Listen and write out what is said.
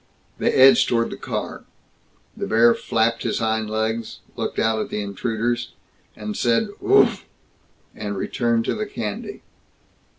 They edged toward the car. The bear flapped his hind legs, looked out at the intruders, said "Oofflll!" and returned to the candy.